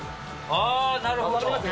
あなるほど！